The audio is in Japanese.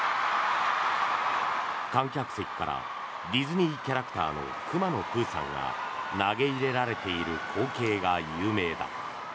観客席からディズニーキャラクターのくまのプーさんが投げ入れられている光景が有名だ。